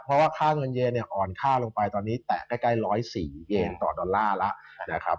เพราะว่าค่าเงินเยนเนี่ยอ่อนค่าลงไปตอนนี้แตะใกล้๑๐๔เยนต่อดอลลาร์แล้วนะครับ